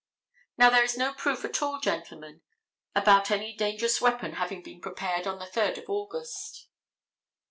Now, there is no proof at all, gentlemen, about any dangerous weapon having been prepared upon the 3d of August.